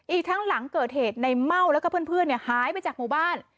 อีกทั้งหลังเกิดเหตุในเม่าแล้วก็เพื่อนหายไปจากหมู่บ้าน